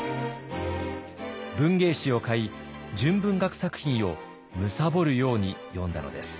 文芸誌を買い純文学作品を貪るように読んだのです。